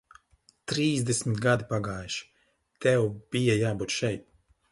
Trīsdesmit gadi pagājuši, tev bija jābūt šeit.